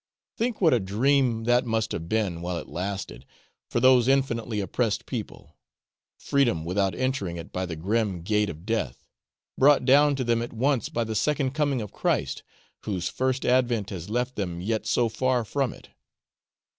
Think what a dream that must have been while it lasted, for those infinitely oppressed people, freedom without entering it by the grim gate of death, brought down to them at once by the second coming of Christ, whose first advent has left them yet so far from it!